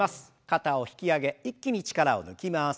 肩を引き上げ一気に力を抜きます。